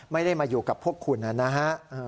ไม่ได้มาอยู่กับพวกคุณนะฮะ